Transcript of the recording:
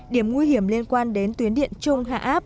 điểm nguy hiểm liên quan đến tuyến điện trung hạ áp